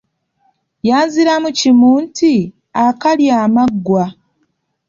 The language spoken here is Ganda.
Yanziramu kimu nti; akalya amaggwa.